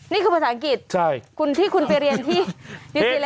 นี่คือภาษาอังกฤษที่คุณไปเรียนที่ยูซีแลนด์เหรอใช่